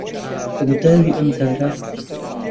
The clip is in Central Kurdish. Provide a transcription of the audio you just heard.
ڕووداوی ئەم جارە